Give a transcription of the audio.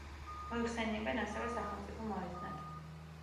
მოიხსენიებენ ასევე „სახელმწიფო მოედნად“.